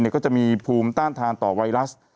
ก็จะมีภูมิต้านทานต่อไวรัส